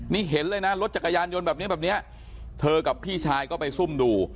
นี่เห็นเลยนะรถจักรยานยนต์แบบนี้แบบนี้เธอกับพี่ชายก็ไปซุ่มดู